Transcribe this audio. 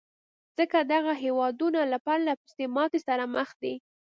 ځکه دغه هېوادونه له پرلهپسې ماتې سره مخ دي.